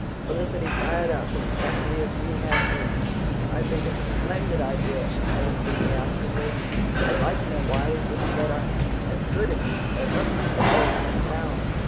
Felicity fired up, exactly as we had hoped. "I think it's a splendid idea," she said enthusiastically. "I'd like to know why we couldn't get up as good a newspaper as they have in town!